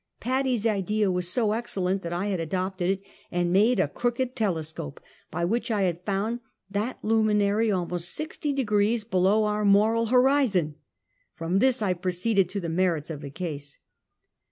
Paddy's idea was so excellent that I had adopted it and made a crooked telescope, by which I had found that lumi nary almost sixty degrees below our moral horizon. From this I proceeded to the merits of the case.